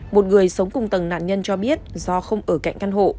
một người sống cùng tầng nạn nhân cho biết do không ở cạnh căn hộ